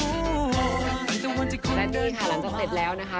ตั้งแต่วันจะคงได้เท่าว่าและที่ถ่ายหลังจะเสร็จแล้วนะคะ